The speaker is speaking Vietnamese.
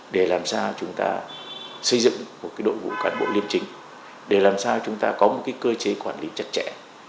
để làm sao chúng ta xây dựng một đội ngũ cán bộ liêm chính để làm sao chúng ta có một cơ chế quản lý chặt chẽ